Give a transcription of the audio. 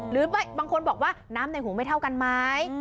หรือบางคนบอกว่าน้ำในหูไม่เท่ากันไหม